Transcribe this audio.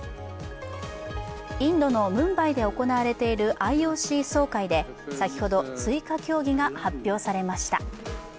インドのムンバイで行われているＩＯＣ総会で先ほど追加競技が発表されました。